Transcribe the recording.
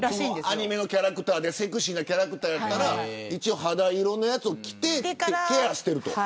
アニメキャラクターでセクシーなキャラクターなら肌色のやつを着てケアしている。